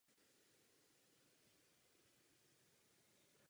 Sbor každoročně pořádá množství kulturních i sportovních akcí v obci.